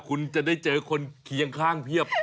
คุณจะได้เจอคนเคียงข้างเพียบ